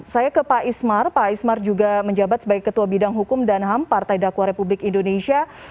saya ke pak ismar pak ismar juga menjabat sebagai ketua bidang hukum dan ham partai dakwah republik indonesia